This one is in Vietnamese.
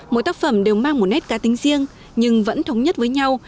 mỗi tác phẩm đều mang một nét cá tính riêng nhưng vẫn thống nhất với nhau